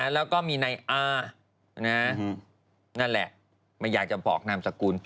แล้วก็มีนายอานั่นแหละไม่อยากจะบอกนามสกุล